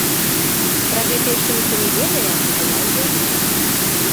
Пра гэта яшчэ ніхто не ведае, а я ўжо знаю.